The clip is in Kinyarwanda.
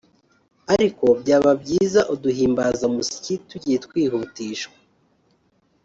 ariko byaba byiza uduhimbazamusyi tugiye twihutishwa